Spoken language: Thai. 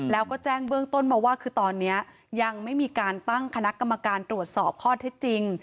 แล้วก็แจ้งเบื้องต้นมาว่าคือตอนนี้ยังไม่มีการตั้งคณะกรรมการตรวจสอบข้อเท็จจริง